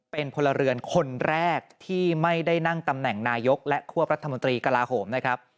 เป็นพลเรือนคนแรกที่ไม่ได้นั่งตำแหน่งนายกและควบรัฐมนตรีกลาโหมนะครับ